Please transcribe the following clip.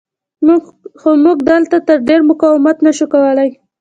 خو موږ دلته تر ډېره مقاومت نه شو کولی.